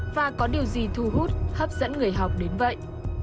và có điều gì thu hút hấp dẫn người học đến vậy